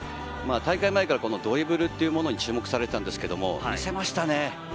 大会前からドリブルっていうものを注目されていたんですけれど、見せましたね。